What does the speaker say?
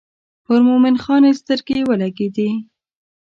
پر مومن خان یې سترګې ولګېدې.